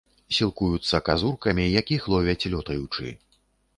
Сілкуюцца казуркамі, якіх ловяць, лётаючы.